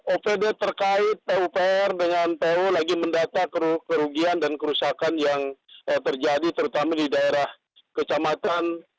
opd terkait pupr dengan pu lagi mendata kerugian dan kerusakan yang terjadi terutama di daerah kecamatan